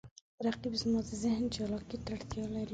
رقیب زما د ذهن چالاکي ته اړتیا لري